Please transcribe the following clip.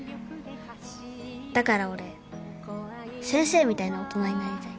だから俺先生みたいな大人になりたい。